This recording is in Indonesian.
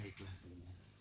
baiklah ibu ibu